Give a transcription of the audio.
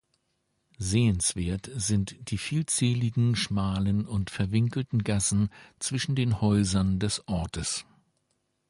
Sehenswert sind die vielzähligen schmalen und verwinkelten Gassen zwischen den Häusern des Ortes.